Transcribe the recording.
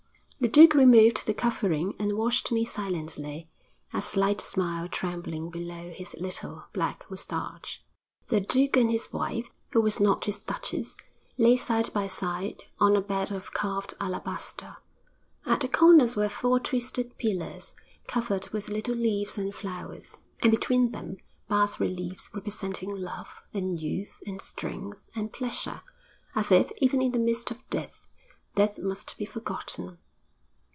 The duke removed the covering and watched me silently, a slight smile trembling below his little, black moustache. The duke and his wife, who was not his duchess, lay side by side on a bed of carved alabaster; at the corners were four twisted pillars, covered with little leaves and flowers, and between them bas reliefs representing Love, and Youth, and Strength, and Pleasure, as if, even in the midst of death, death must be forgotten.